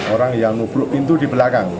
orang yang nubruk pintu di belakang